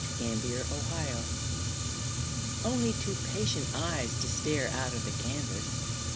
FADED PICTURES Only two patient eyes to stare Out of the canvas.